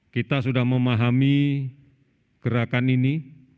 kita sudah memahami gerakan ini